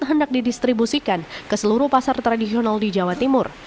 hendak didistribusikan ke seluruh pasar tradisional di jawa timur